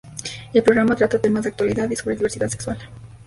El programa trata temas de actualidad y sobre diversidad sexual.